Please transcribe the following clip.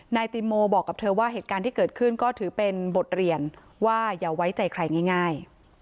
นายติโมบอกกับเธอว่าเหตุการณ์ที่เกิดขึ้นก็ถือเป็นบทเรียนว่าอย่าไว้ใจใครง่าย